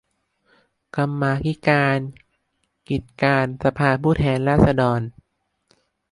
กรรมาธิการกิจการสภาผู้แทนราษฎร